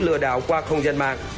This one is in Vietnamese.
lừa đảo qua không gian mạng